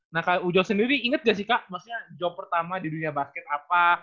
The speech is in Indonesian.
nah kak ujo sendiri ingat gak sih kak maksudnya job pertama di dunia basket apa